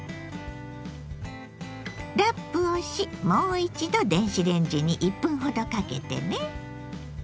ラップをしもう一度電子レンジに１分ほどかけてね。